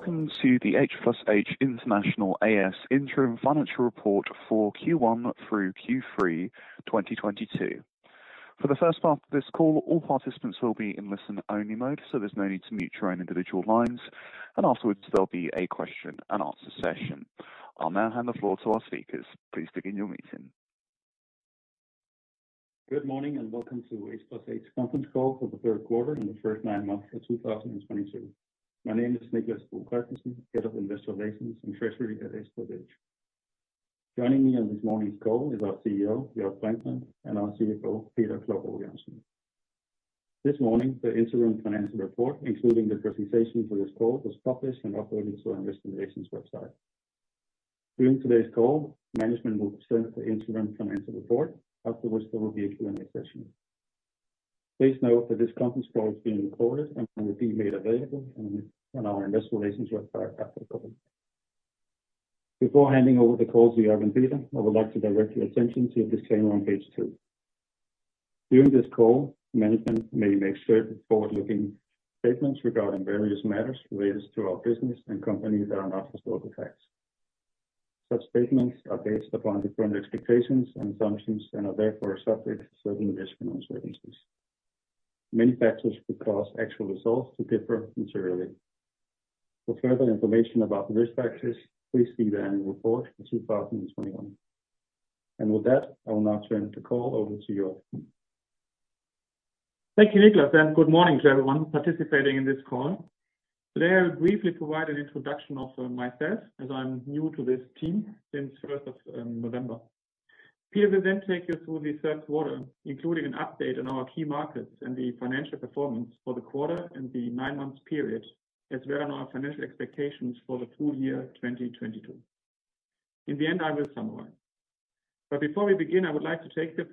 Welcome to the H+H International A/S interim financial report for Q1 through Q3 2022. For the first part of this call, all participants will be in listen-only mode, so there's no need to mute your own individual lines. Afterwards, there'll be a question and answer session. I'll now hand the floor to our speakers. Please begin your meeting. Good morning, welcome to H+H conference call for the third quarter and the first nine months of 2022. My name is Niclas Bo Kristensen, Head of Investor Relations and Treasury at H+H. Joining me on this morning's call is our CEO, Jörg Brinkmann, and our CFO, Peter Klovgaard-Jørgensen. This morning, the interim financial report, including the presentation for this call, was published and uploaded to our investor relations website. During today's call, management will present the interim financial report. Afterwards, there will be a Q&A session. Please note that this conference call is being recorded and will be made available on our investor relations website after the call. Before handing over the call to Jörg and Peter, I would like to direct your attention to the disclaimer on page two. During this call, management may make certain forward-looking statements regarding various matters related to our business and company that are not historical facts. Such statements are based upon different expectations and assumptions and are therefore subject to certain risks and uncertainties. Many factors could cause actual results to differ materially. For further information about the risk factors, please see the annual report for 2021. With that, I will now turn the call over to Jörg. Thank you, Niclas, and good morning to everyone participating in this call. Today, I'll briefly provide an introduction of myself as I'm new to this team since first of November. Peter will then take you through the third quarter, including an update on our key markets and the financial performance for the quarter and the nine-month period, as well as our financial expectations for the full year 2022. In the end, I will summarize. Before we begin, I would like to take the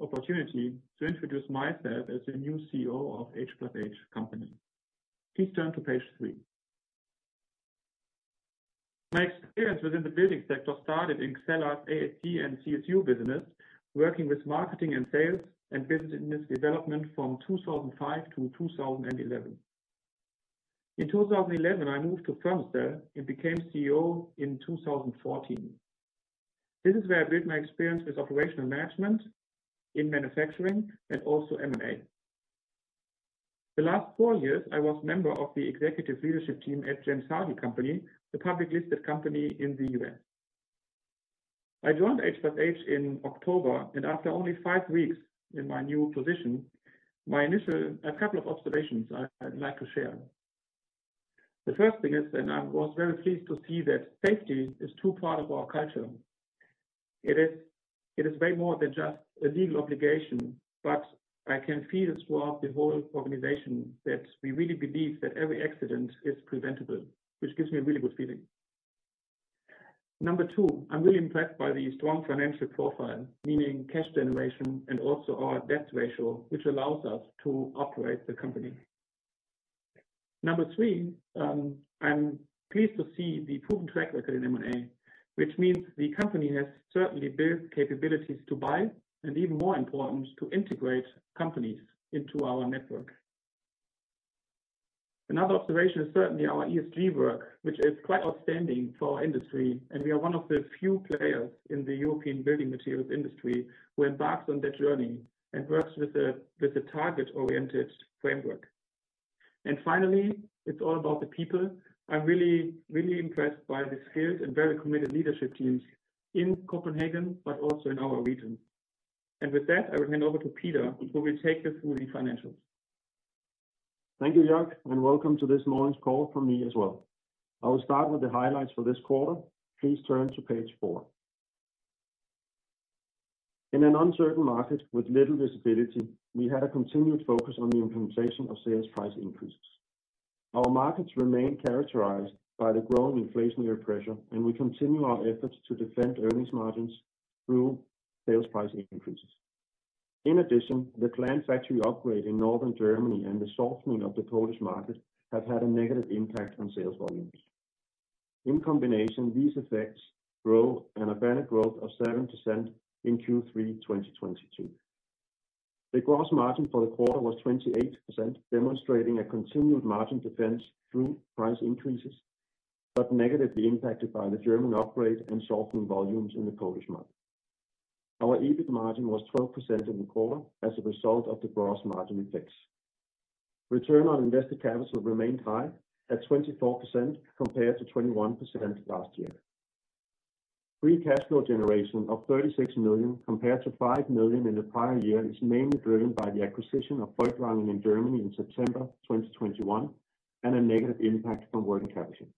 opportunity to introduce myself as the new CEO of H+H. Please turn to page three. My experience within the building sector started in Xella's AAC and CSU business, working with marketing and sales and business development from 2005 to 2011. In 2011, I moved to Fermacell and became CEO in 2014. This is where I built my experience with operational management in manufacturing and also M&A. The last four years, I was a member of the executive leadership team at James Hardie Industries, the publicly listed company in the U.S. I joined H+H in October, and after only five weeks in my new position. A couple of observations I'd like to share. The first thing is that I was very pleased to see that safety is a true part of our culture. It is way more than just a legal obligation, but I can feel it throughout the whole organization that we really believe that every accident is preventable, which gives me a really good feeling. Number two, I'm really impressed by the strong financial profile, meaning cash generation and also our debt ratio, which allows us to operate the company. Number three, I'm pleased to see the proven track record in M&A, which means the company has certainly built capabilities to buy and even more important, to integrate companies into our network. Another observation is certainly our ESG work, which is quite outstanding for our industry, and we are one of the few players in the European building materials industry who embarked on that journey and works with a target-oriented framework. Finally, it's all about the people. I'm really, really impressed by the skills and very committed leadership teams in Copenhagen, but also in our region. With that, I will hand over to Peter, who will take us through the financials. Thank you, Jörg, and welcome to this morning's call from me as well. I will start with the highlights for this quarter. Please turn to page four. In an uncertain market with little visibility, we had a continued focus on the implementation of sales price increases. Our markets remain characterized by the growing inflationary pressure, and we continue our efforts to defend earnings margins through sales price increases. In addition, the planned factory upgrade in Northern Germany and the softening of the Polish market have had a negative impact on sales volumes. In combination, these effects led to a 7% growth in Q3 2022. The gross margin for the quarter was 28%, demonstrating a continued margin defense through price increases, but negatively impacted by the German upgrade and softening volumes in the Polish market. Our EBIT margin was 12% in the quarter as a result of the gross margin effects. Return on invested capital remained high at 24% compared to 21% last year. Free cash flow generation of 36 million compared to 5 million in the prior year is mainly driven by the acquisition of Greisel in Germany in September 2021 and a negative impact from working capital.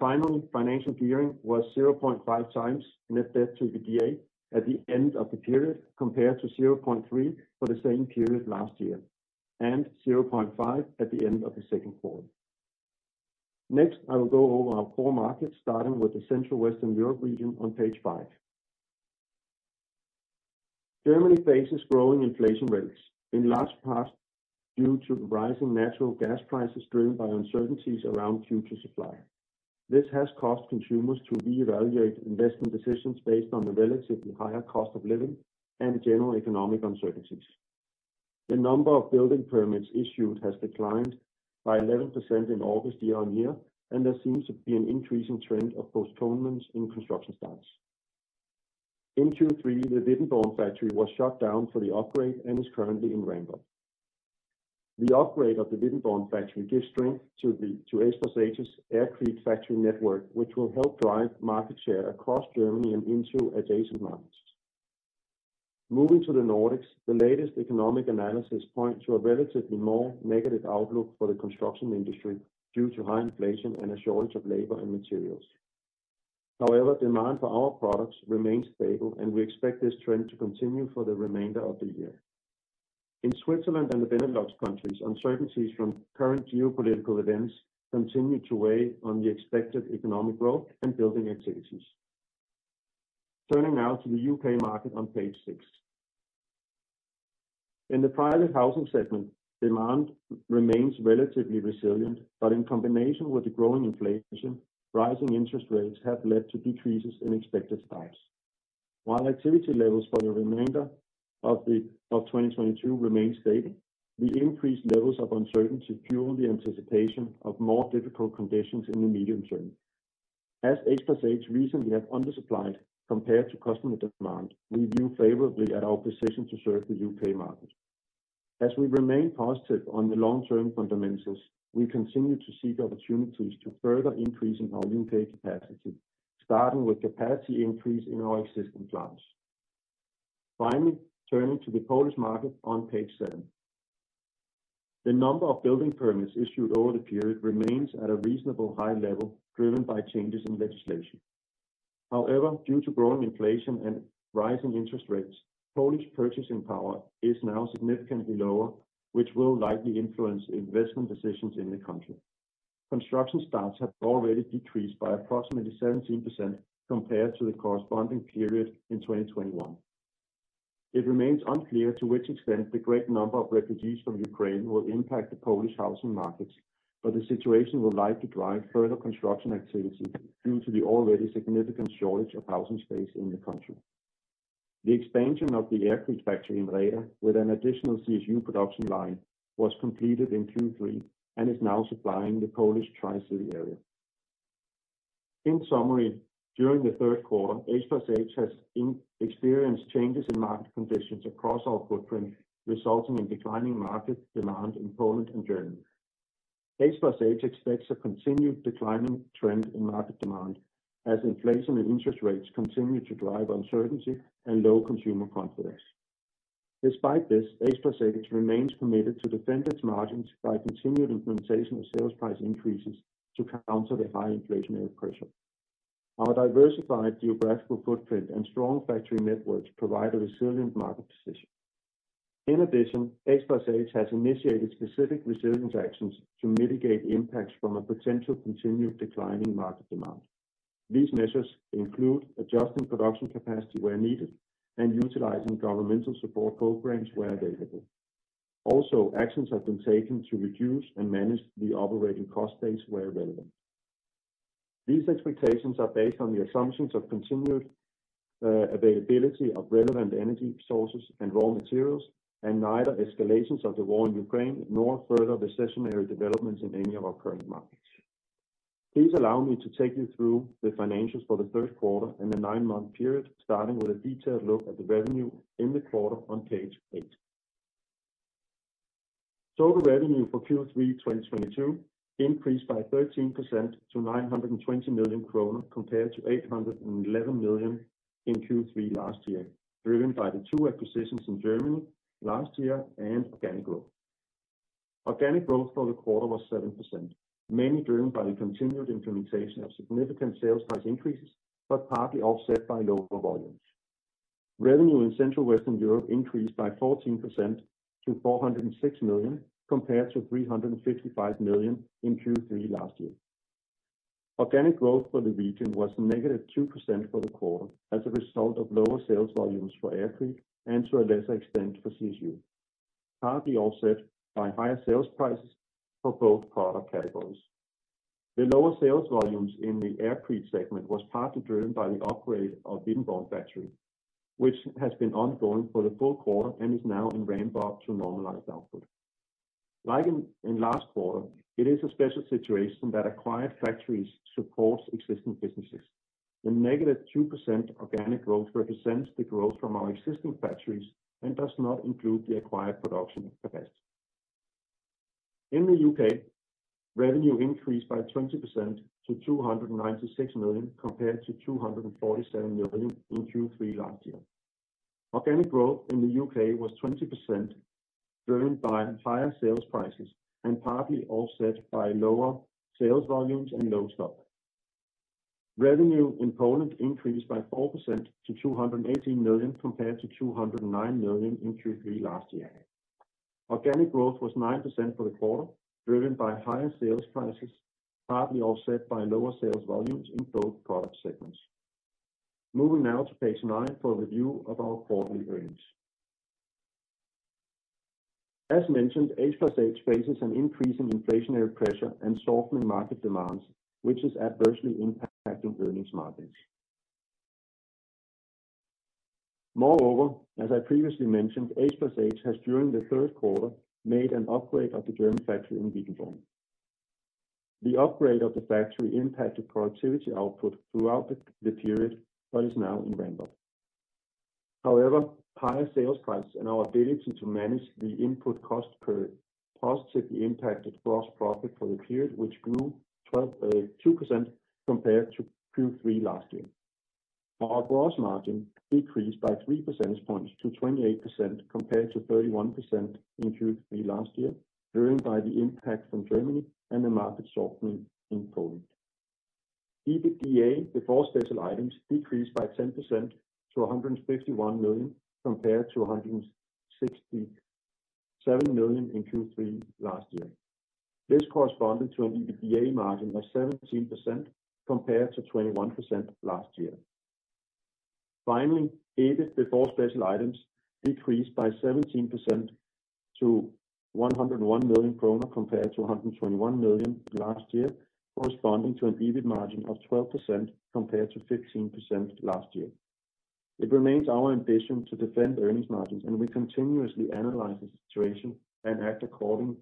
Finally, financial gearing was 0.5 times net debt to EBITDA at the end of the period, compared to 0.3 for the same period last year, and 0.5 at the end of the second quarter. Next, I will go over our core markets, starting with the Central Western Europe region on page five. Germany faces growing inflation rates, in large part due to the rising natural gas prices driven by uncertainties around future supply. This has caused consumers to reevaluate investment decisions based on the relatively higher cost of living and general economic uncertainties. The number of building permits issued has declined by 11% in August year-over-year, and there seems to be an increasing trend of postponements in construction starts. In Q3, the Wittenborn factory was shut down for the upgrade and is currently in ramp-up. The upgrade of the Wittenborn factory gives strength to H+H's Aircrete factory network, which will help drive market share across Germany and into adjacent markets. Moving to the Nordics, the latest economic analysis points to a relatively more negative outlook for the construction industry due to high inflation and a shortage of labor and materials. However, demand for our products remains stable, and we expect this trend to continue for the remainder of the year. In Switzerland and the Benelux countries, uncertainties from current geopolitical events continue to weigh on the expected economic growth and building activities. Turning now to the U.K. market on page six. In the private housing segment, demand remains relatively resilient, but in combination with the growing inflation, rising interest rates have led to decreases in expected starts. While activity levels for the remainder of 2022 remain stable, the increased levels of uncertainty fuel the anticipation of more difficult conditions in the medium term. As H+H recently have undersupplied compared to customer demand, we view favorably at our position to serve the U.K. market. As we remain positive on the long-term fundamentals, we continue to seek opportunities to further increasing our U.K. capacity, starting with capacity increase in our existing plants. Finally, turning to the Polish market on page seven. The number of building permits issued over the period remains at a reasonable high level, driven by changes in legislation. However, due to growing inflation and rising interest rates, Polish purchasing power is now significantly lower, which will likely influence investment decisions in the country. Construction starts have already decreased by approximately 17% compared to the corresponding period in 2021. It remains unclear to which extent the great number of refugees from Ukraine will impact the Polish housing markets, but the situation will likely drive further construction activity due to the already significant shortage of housing space in the country. The expansion of the Aircrete factory in Reda with an additional CSU production line was completed in Q3 and is now supplying the Polish Tri-City area. In summary, during the third quarter, H+H has experienced changes in market conditions across our footprint, resulting in declining market demand in Poland and Germany. H+H expects a continued declining trend in market demand as inflation and interest rates continue to drive uncertainty and low consumer confidence. Despite this, H+H remains committed to defend its margins by continued implementation of sales price increases to counter the high inflationary pressure. Our diversified geographical footprint and strong factory networks provide a resilient market position. In addition, H+H has initiated specific resilience actions to mitigate impacts from a potential continued declining market demand. These measures include adjusting production capacity where needed and utilizing governmental support programs where available. Also, actions have been taken to reduce and manage the operating cost base where relevant. These expectations are based on the assumptions of continued availability of relevant energy sources and raw materials, and neither escalations of the war in Ukraine nor further recessionary developments in any of our current markets. Please allow me to take you through the financials for the third quarter and the nine-month period, starting with a detailed look at the revenue in the quarter on page eight. Total revenue for Q3 2022 increased by 13% to 920 million kroner, compared to 811 million in Q3 last year, driven by the two acquisitions in Germany last year and organic growth. Organic growth for the quarter was 7%, mainly driven by the continued implementation of significant sales price increases, but partly offset by lower volumes. Revenue in Central Western Europe increased by 14% to 406 million, compared to 355 million in Q3 last year. Organic growth for the region was -2% for the quarter as a result of lower sales volumes for Aircrete and to a lesser extent for CSU, partly offset by higher sales prices for both product categories. The lower sales volumes in the Aircrete segment was partly driven by the upgrade of Wittenborn factory, which has been ongoing for the full quarter and is now in ramp-up to normalized output. Like in last quarter, it is a special situation that acquired factories support existing businesses. The negative 2% organic growth represents the growth from our existing factories and does not include the acquired production capacity. In the U.K., revenue increased by 20% to 296 million, compared to 247 million in Q3 last year. Organic growth in the U.K. was 20%, driven by higher sales prices and partly offset by lower sales volumes and low stock. Revenue in Poland increased by 4% to 218 million, compared to 209 million in Q3 last year. Organic growth was 9% for the quarter, driven by higher sales prices, partly offset by lower sales volumes in both product segments. Moving now to page nine for a review of our quarterly earnings. As mentioned, H+H faces an increase in inflationary pressure and softening market demands, which is adversely impacting earnings margins. Moreover, as I previously mentioned, H+H has during the third quarter made an upgrade of the German factory in Wittenborn. The upgrade of the factory impacted productivity output throughout the period, but is now in ramp-up. However, higher sales price and our ability to manage the input cost pressure positively impacted gross profit for the period, which grew 2% compared to Q3 last year. Our gross margin decreased by three percentage points to 28% compared to 31% in Q3 last year, driven by the impact from Germany and the market softening in Poland. EBITDA before special items decreased by 10% to 151 million, compared to 167 million in Q3 last year. This corresponded to an EBITDA margin of 17% compared to 21% last year. Finally, EBIT before special items decreased by 17% to 101 million kroner compared to 121 million last year, corresponding to an EBIT margin of 12% compared to 15% last year. It remains our ambition to defend earnings margins, and we continuously analyze the situation and act accordingly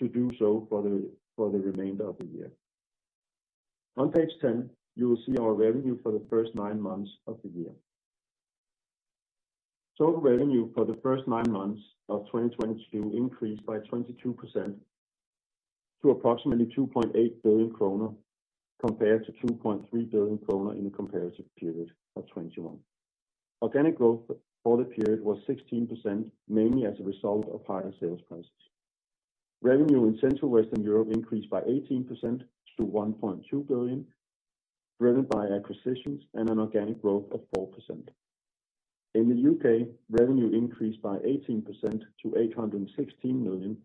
to do so for the remainder of the year. On page 10, you will see our revenue for the first nine months of the year. Total revenue for the first nine months of 2022 increased by 22% to approximately 2.8 billion kroner compared to 2.3 billion kroner in the comparative period of 2021. Organic growth for the period was 16%, mainly as a result of higher sales prices. Revenue in Central Western Europe increased by 18% to 1.2 billion, driven by acquisitions and an organic growth of 4%. In the U.K., revenue increased by 18% to 816 million,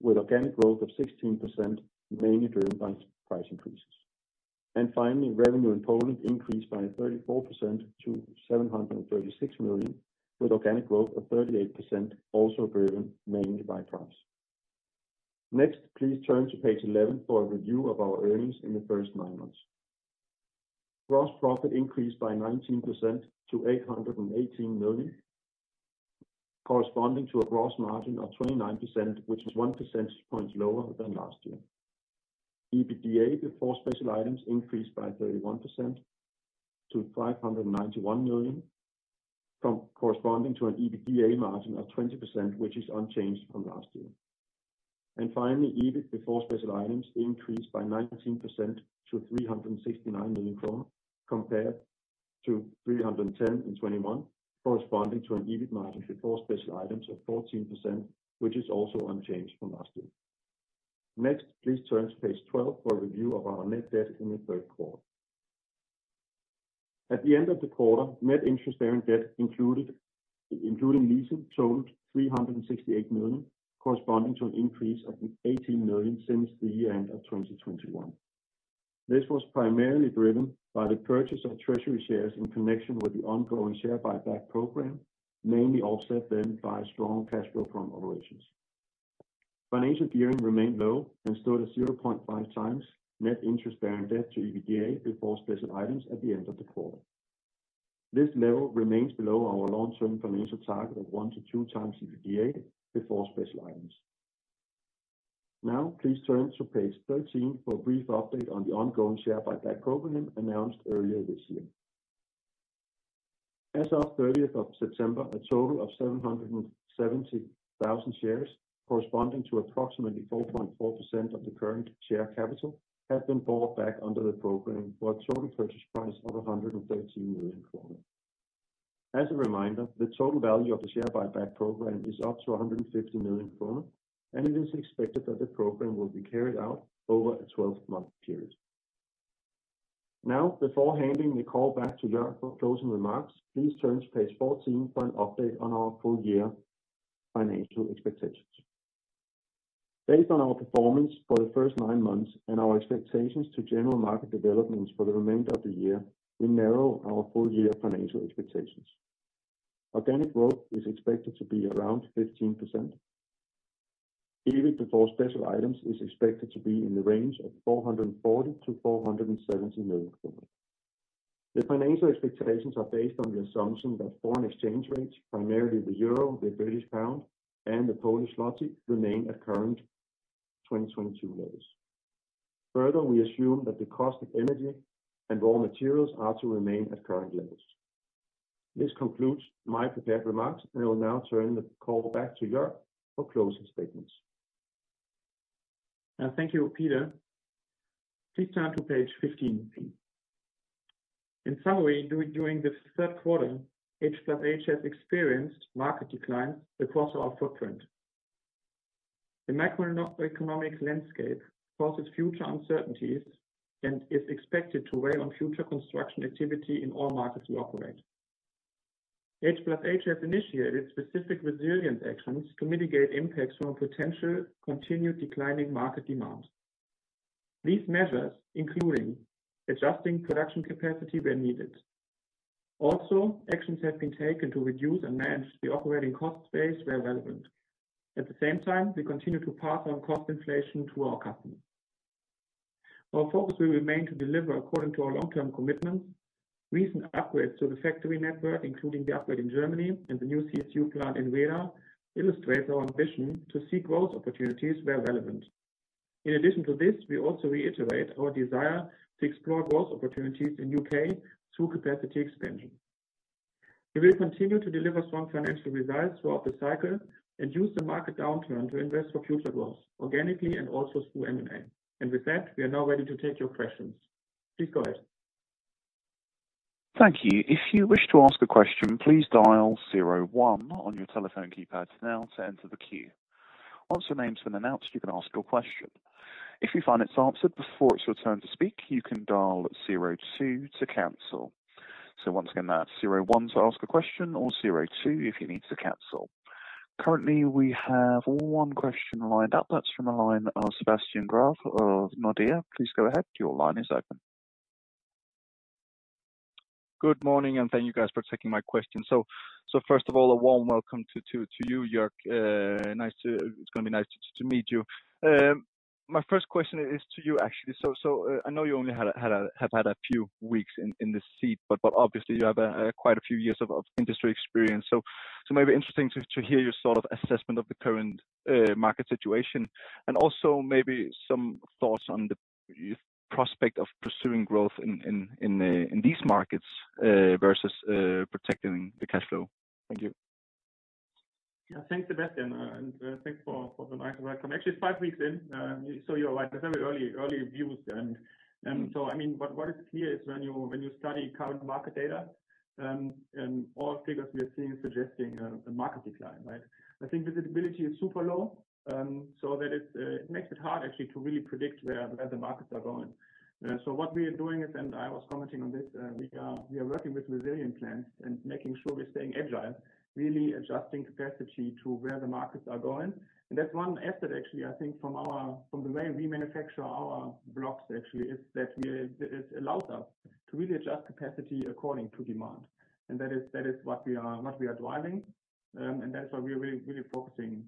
with organic growth of 16%, mainly driven by price increases. Finally, revenue in Poland increased by 34% to 736 million, with organic growth of 38% also driven mainly by price. Next, please turn to page 11 for a review of our earnings in the first nine months. Gross profit increased by 19% to 818 million, corresponding to a gross margin of 29%, which is one percentage point lower than last year. EBITDA before special items increased by 31% to 591 million, corresponding to an EBITDA margin of 20%, which is unchanged from last year. Finally, EBIT before special items increased by 19% to 369 million compared to 310 in 2021, corresponding to an EBIT margin before special items of 14%, which is also unchanged from last year. Next, please turn to page 12 for a review of our net debt in the third quarter. At the end of the quarter, net interest-bearing debt, including leases, totaled 368 million, corresponding to an increase of 18 million since the end of 2021. This was primarily driven by the purchase of treasury shares in connection with the ongoing share buyback program, mainly offset by strong cash flow from operations. Financial gearing remained low and stood at 0.5 times net interest-bearing debt to EBITDA before special items at the end of the quarter. This level remains below our long-term financial target of 1-2x EBITDA before special items. Please turn to page 13 for a brief update on the ongoing share buyback program announced earlier this year. As of September 30, a total of 770,000 shares corresponding to approximately 4.4% of the current share capital have been bought back under the program for a total purchase price of 113 million kroner. As a reminder, the total value of the share buyback program is up to 150 million kroner, and it is expected that the program will be carried out over a 12-month period. Before handing the call back to Jörg for closing remarks, please turn to page 14 for an update on our full year financial expectations. Based on our performance for the first nine months and our expectations to general market developments for the remainder of the year, we narrow our full year financial expectations. Organic growth is expected to be around 15%. EBIT before special items is expected to be in the range of 440 million-470 million. The financial expectations are based on the assumption that foreign exchange rates, primarily the euro, the British pound and the Polish zloty remain at current 2022 levels. Further, we assume that the cost of energy and raw materials are to remain at current levels. This concludes my prepared remarks, and I will now turn the call back to Jörg for closing statements. Thank you Peter. Please turn to page 15. In summary, during the third quarter, H+H has experienced market decline across our footprint. The macroeconomic landscape causes future uncertainties and is expected to weigh on future construction activity in all markets we operate. H+H has initiated specific resilience actions to mitigate impacts from potential continued declining market demand. These measures including adjusting production capacity where needed. Also, actions have been taken to reduce and manage the operating cost base where relevant. At the same time, we continue to pass on cost inflation to our customers. Our focus will remain to deliver according to our long-term commitments. Recent upgrades to the factory network, including the upgrade in Germany and the new CSU plant in Reda, illustrates our ambition to seek growth opportunities where relevant. In addition to this, we also reiterate our desire to explore growth opportunities in U.K. through capacity expansion. We will continue to deliver strong financial results throughout the cycle and use the market downturn to invest for future growth organically and also through M&A. With that, we are now ready to take your questions. Please go ahead. Thank you. If you wish to ask a question, please dial zero one on your telephone keypad now to enter the queue. Once your name has been announced, you can ask your question. If you find it's answered before it's your turn to speak, you can dial zero two to cancel. Once again, that's zero one to ask a question or zero two if you need to cancel. Currently, we have one question lined up. That's from the line of Sebastian Grave of Nordea. Please go ahead. Your line is open. Good morning, and thank you guys for taking my question. First of all, a warm welcome to you, Jörg. It's gonna be nice to meet you. My first question is to you, actually. I know you only have had a few weeks in this seat, but obviously you have quite a few years of industry experience. Maybe interesting to hear your sort of assessment of the current market situation and also maybe some thoughts on the prospect of pursuing growth in these markets versus protecting the cash flow. Thank you. Yeah. Thanks, Sebastian, and thanks for the nice welcome. Actually it's five weeks in, so you're right, they're very early views. I mean, what is clear is when you study current market data, and all figures we are seeing suggesting a market decline, right? I think visibility is super low, so that it makes it hard actually to really predict where the markets are going. What we are doing is, and I was commenting on this, we are working with resilient plans and making sure we're staying agile, really adjusting capacity to where the markets are going. That's one aspect, actually, I think from the way we manufacture our blocks actually, is that it allows us to really adjust capacity according to demand. That is what we are driving. That's why we are really focusing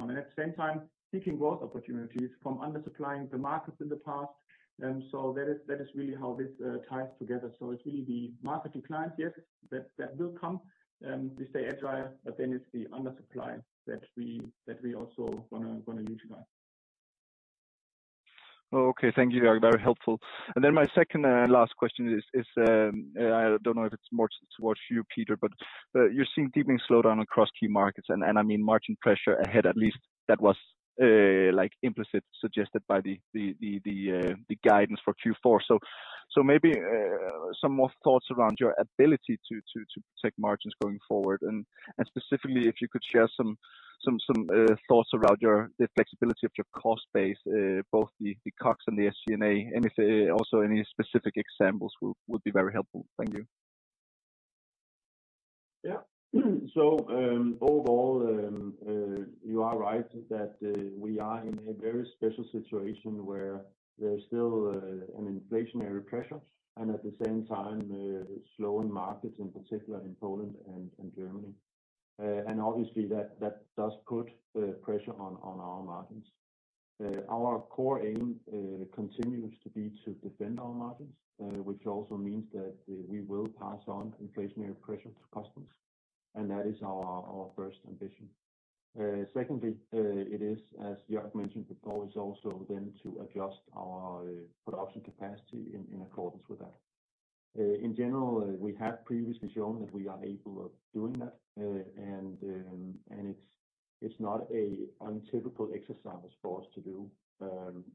on. At the same time, seeking growth opportunities from under supplying the markets in the past. That is really how this ties together. It's really the market decline, yes. That will come, we stay agile, but then it's the under supply that we also gonna utilize. Okay. Thank you. Very helpful. Then my second and last question is, I don't know if it's more towards you, Peter, but you're seeing deepening slowdown across key markets and I mean, margin pressure ahead, at least that was like implicitly suggested by the guidance for Q4. Maybe some more thoughts around your ability to protect margins going forward. Specifically if you could share some thoughts around the flexibility of your cost base, both the COGS and the SG&A. Anything, also any specific examples would be very helpful. Thank you. Yeah. Overall, you are right that we are in a very special situation where there's still an inflationary pressure and at the same time, slowing markets in particular in Poland and Germany. Obviously that does put pressure on our margins. Our core aim continues to be to defend our margins, which also means that we will pass on inflationary pressure to customers, and that is our first ambition. Secondly, as Jörg mentioned before, it is also then to adjust our production capacity in accordance with that. In general, we have previously shown that we are able of doing that. It's not a untypical exercise for us to do.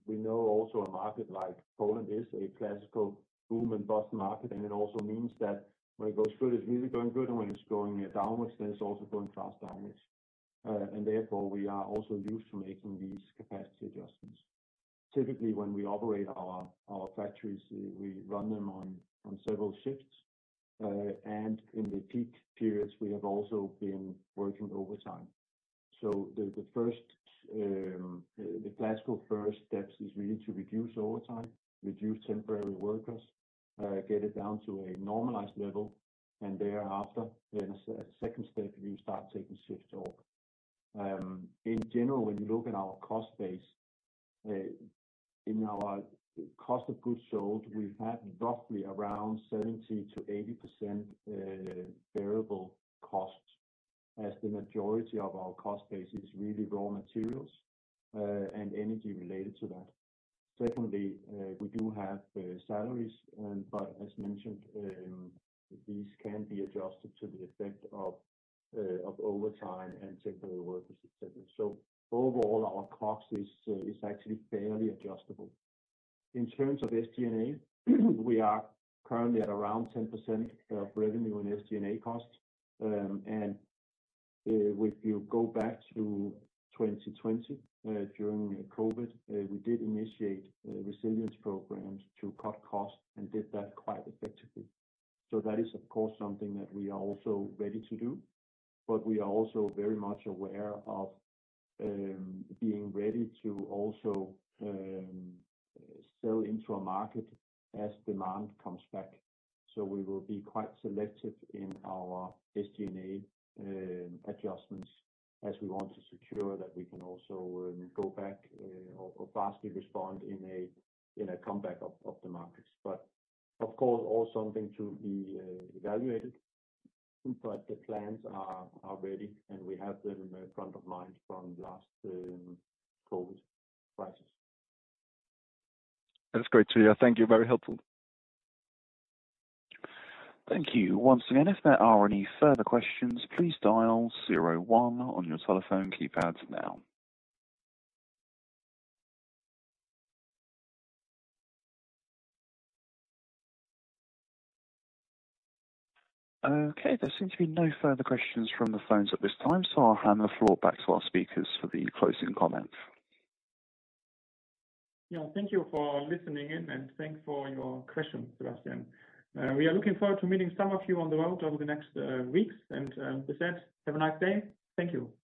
We know also a market like Poland is a classical boom and bust market, and it also means that when it goes good, it's really going good, and when it's going downwards, then it's also going fast downwards. Therefore, we are also used to making these capacity adjustments. Typically, when we operate our factories, we run them on several shifts. In the peak periods, we have also been working overtime. The classical first steps is really to reduce overtime, reduce temporary workers, get it down to a normalized level, and thereafter, the second step, we start taking shifts over. In general, when you look at our cost base, in our cost of goods sold, we have roughly around 70%-80% variable costs as the majority of our cost base is really raw materials, and energy related to that. Secondly, we do have salaries and, but as mentioned, these can be adjusted to the effect of overtime and temporary workers, et cetera. Overall, our cost is actually fairly adjustable. In terms of SG&A, we are currently at around 10% of revenue in SG&A costs. If you go back to 2020, during COVID, we did initiate resilience programs to cut costs and did that quite effectively. That is, of course, something that we are also ready to do, but we are also very much aware of being ready to also sell into a market as demand comes back. We will be quite selective in our SG&A adjustments as we want to secure that we can also go back or vastly respond in a comeback of the markets. Of course, all something to be evaluated, but the plans are ready, and we have them in the front of mind from last COVID crisis. That's great to hear. Thank you. Very helpful. Thank you. Once again, if there are any further questions, please dial zero one on your telephone keypads now. Okay, there seem to be no further questions from the phones at this time, so I'll hand the floor back to our speakers for the closing comments. Yeah, thank you for listening in, and thanks for your question, Sebastian. We are looking forward to meeting some of you on the road over the next weeks. With that, have a nice day. Thank you.